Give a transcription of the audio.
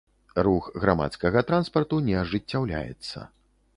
Рух грамадскага транспарту не ажыццяўляецца.